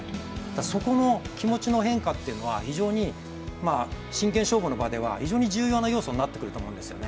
そこの気持ちの変化っていうのは真剣勝負の場では非常に重要な要素になってくると思うんですよね。